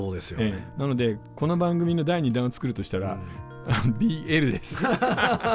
なのでこの番組の第２弾を作るとしたらＢＬです。